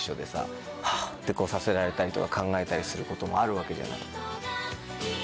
「ハッ」てさせられたりとか考えたりすることもあるわけじゃない。